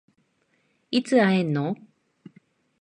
いつ会えんの？